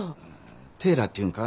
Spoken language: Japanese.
テーラーっていうんか？